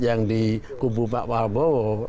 yang di kubu pak prabowo